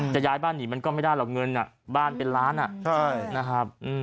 ย้ายบ้านหนีมันก็ไม่ได้หรอกเงินบ้านเป็นล้านนะครับ